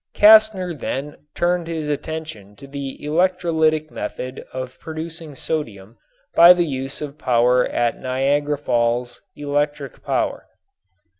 Castner then turned his attention to the electrolytic method of producing sodium by the use of the power of Niagara Falls, electric power.